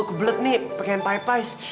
gue kebelet nih pengen paipais